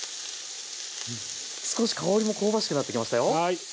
少し香りも香ばしくなってきましたよ。